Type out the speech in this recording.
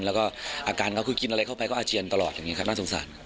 แล้วก็อาการเขาคือกินอะไรเข้าไปก็อาเจียนตลอดอย่างนี้ครับน่าสงสาร